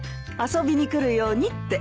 遊びに来るようにって。